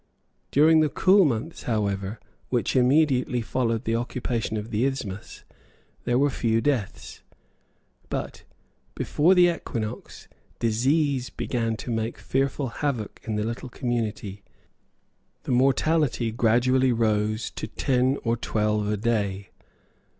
During the cool months, however, which immediately followed the occupation of the isthmus there were few deaths. But, before the equinox, disease began to make fearful havoc in the little community. The mortality gradually rose to ten or twelve a day.